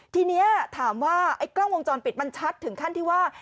ทีนี้ถามว่าไอ้กล้องวงจรปิดมันชัดถึงขั้นที่ว่า